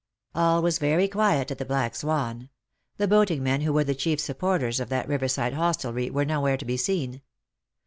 All was very quiet at the Black Swan. The boating men, who were the chief supporters of that riverside hostelry, were nowhere to be seen.